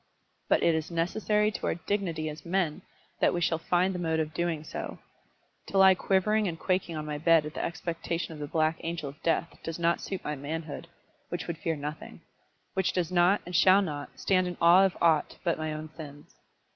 But it is necessary to our dignity as men that we shall find the mode of doing so. To lie quivering and quaking on my bed at the expectation of the Black Angel of Death, does not suit my manhood, which would fear nothing; which does not, and shall not, stand in awe of aught but my own sins.